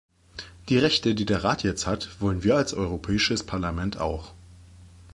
Die Rechte, die der Rat jetzt hat, wollen wir als Europäisches Parlament auch.